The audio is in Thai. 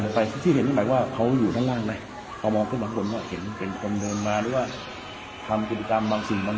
ความเชื่อว่าคือโลกวันยางคือคนที่ตายแม้ว่าคือมันจะเฉพาะสิทธิการของพวกเขาใน